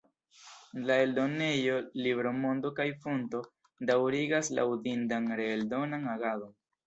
La eldonejoj Libro-Mondo kaj Fonto daŭrigas laŭdindan reeldonan agadon.